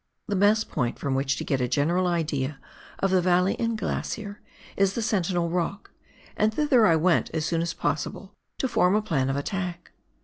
The best point from which to get a general idea of the valley and glacier is the Sentinel Rock, and thither I went as soon as possible to form a plan of attack.